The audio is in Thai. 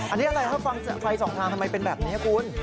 อันนี้อะไรฮะฟังไฟสองทางทำไมเป็นแบบนี้คุณ